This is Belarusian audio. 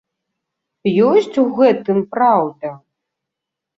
Ёсць у гэтым праўда?